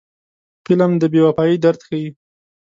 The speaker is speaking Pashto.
فلم د بې وفایۍ درد ښيي